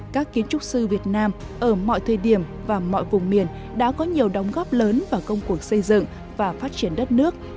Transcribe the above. các kiến trúc sư việt nam ở mọi thời điểm và mọi vùng miền đã có nhiều đóng góp lớn vào công cuộc xây dựng và phát triển đất nước